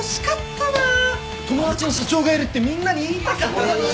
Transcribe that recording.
友達に社長がいるってみんなに言いたかったのに。